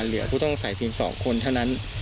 เหลือผู้ต้องสัยเพียง๒คนเท่านั้น